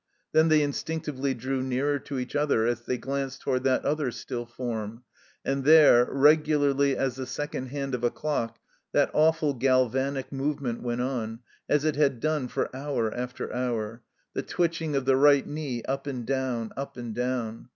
Then they instinctively drew nearer to each other as they glanced toward that other silent form, and there, regularly as the second hand of a clock, that awful galvanic movement went on, as it had done for hour after hour : the twitching of the right knee up and down, up and down